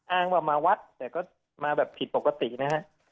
อ้างว่ามาวัดแต่ก็มาแบบผิดปกตินะฮะ